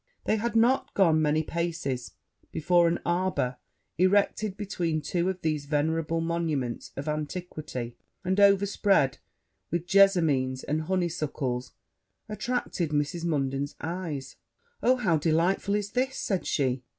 They had not gone many paces, before an arbour, erected between two of these venerable monuments of antiquity, and overspread with jessamines and honeysuckles, attracted Mrs. Munden's eyes. 'Oh, how delightful is this!' said she.